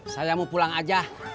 saya mau pulang aja